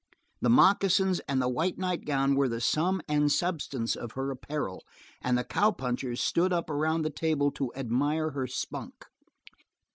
The moccasins and the white nightgown were the sum and substance of her apparel, and the cowpunchers stood up around the table to admire her spunk.